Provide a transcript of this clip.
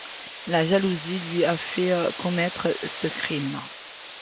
La jalousie lui avait fait commettre ce crime.